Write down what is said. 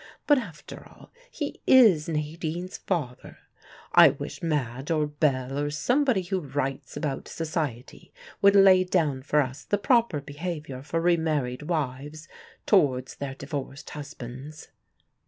But after all, he is Nadine's father. I wish Madge or Belle or somebody who writes about society would lay down for us the proper behavior for re married wives towards their divorced husbands."